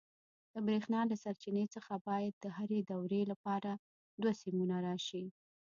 د برېښنا له سرچینې څخه باید د هرې دورې لپاره دوه سیمونه راشي.